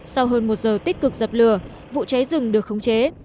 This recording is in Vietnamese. sau hơn một giờ tích cực dập lửa vụ cháy rừng được khống chế